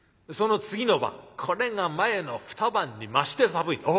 その次の晩これが前の二晩にまして寒い。